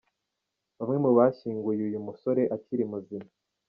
Bamwe mu bashyinguye uyu musore akiri muzima.